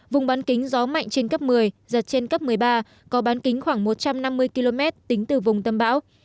vùng bán kính gió mạnh trên cấp một mươi giật trên cấp một mươi ba có bán kính khoảng một trăm năm mươi km tính từ vùng tâm bão